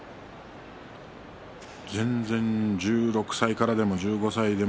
全然１６歳からでも１５歳からでも。